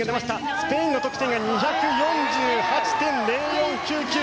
スペインの得点が２４８．０４９９。